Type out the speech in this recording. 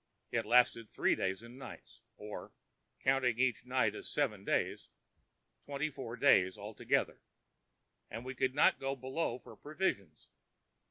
It lasted three days and nights, or, counting each night as seven days, twenty four days altogether, and we could not go below for provisions.